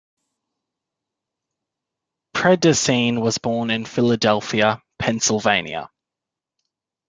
Pedicine was born in Philadelphia, Pennsylvania.